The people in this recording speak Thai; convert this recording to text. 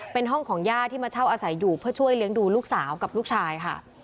เป็นห้องของย่าที่มาเช่าอาศัยอยู่เพื่อช่วยเลี้ยงดูลูกสาวกับลูกชายค่ะ